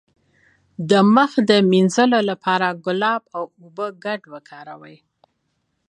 د مخ د مینځلو لپاره د ګلاب او اوبو ګډول وکاروئ